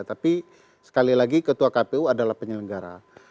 tapi sekali lagi ketua kpu adalah penyelenggara